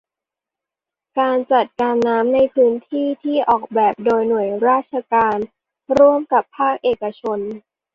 การจัดการน้ำในพื้นที่ ที่ออกแบบโดยหน่วยราชการ ร่วมกับภาคเอกชน